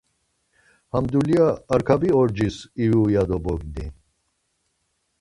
Ham duyla Arkabi Orç̌is ivu ya do bogni.